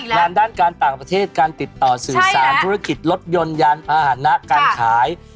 งานด้านการต่างประเทศการติดต่อสื่อสารธุรกิจรถยนต์ยานอาหารนะการขาย